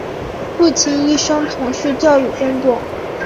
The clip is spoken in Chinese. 父亲一生从事教育工作。